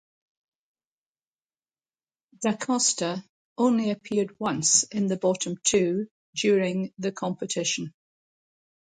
DaCosta only appeared once in the bottom two during the competition.